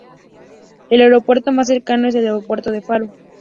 El aeropuerto más cercano es el Aeropuerto de Faro.